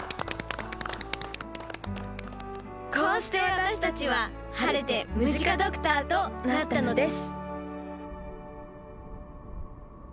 こうして私たちは晴れてムジカドクターとなったのです